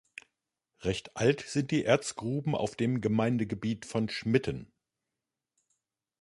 Recht alt sind die Erzgruben auf dem Gemeindegebiet von Schmitten.